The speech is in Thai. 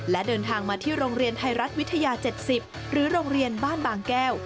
และเดินทางมาที่โรงเรียนไทยรัฐวิทยา๗๐หรือโรงเรียนบ้านบางแก้ว